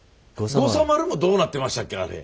護佐丸もどうなってましたっけあれ。